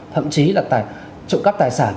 thậm chí là trộm cắp tài sản